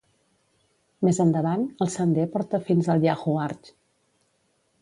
Més endavant, el sender porta fins al Yahoo Arch.